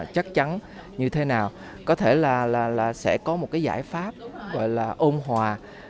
chắc chắn như thế nào có thể là sẽ có một cái giải pháp gọi là ôm hòa